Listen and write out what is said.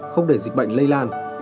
không để dịch bệnh lây lan